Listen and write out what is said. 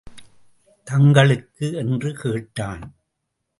தங்களுக்கு? என்று கேட்டான்.